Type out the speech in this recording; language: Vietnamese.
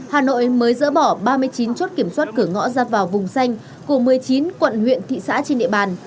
hà nội mới dỡ bỏ ba mươi chín chốt kiểm soát cửa ngõ ra vào vùng xanh của một mươi chín quận huyện thị xã trên địa bàn